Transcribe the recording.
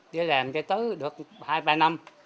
đi làm thì tới được hai ba năm